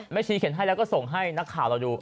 ชีเข็นให้แล้วก็ส่งให้นักข่าวเราดู